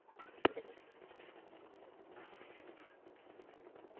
রিমান্ডের চতুর্থ দিন পর্যন্ত আসামির কাছ থেকে হত্যাকাণ্ডের সন্তোষজনক কারণ জানা যায়নি।